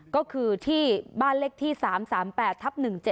ก็คือที่บ้านเลขที่๓๓๘ทับ๑๗